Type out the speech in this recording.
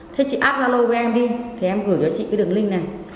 thế chị add gia lô với em đi thì em gửi cho chị cái đường linh này